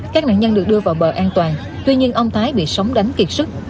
các nạn nhân được đưa vào bờ an toàn tuy nhiên ông thái bị sóng đánh kiệt sức